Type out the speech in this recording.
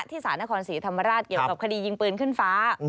สารนครศรีธรรมราชเกี่ยวกับคดียิงปืนขึ้นฟ้า